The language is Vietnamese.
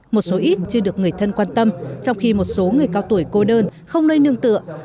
một số ít chưa được người thân quan tâm trong khi một số người cao tuổi cô đơn không nơi nương tựa